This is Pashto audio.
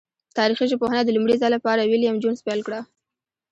تاریخي ژبپوهنه د لومړی ځل له پاره ویلم جونز پیل کړه.